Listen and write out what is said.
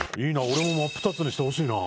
俺も真っ二つにしてほしいな。